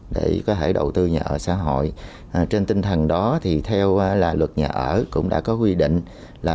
để có thể đầu tư nhà ở xã hội trên tinh thần đó thì theo là luật nhà ở cũng đã có quy định là